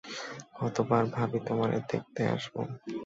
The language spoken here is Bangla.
কত বার ভাবি তোমারে দেখতে আসব।